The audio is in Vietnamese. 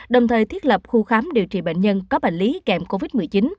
đồng thời thiết lập khu khám điều trị bệnh nhân có bệnh lý kèm covid một mươi chín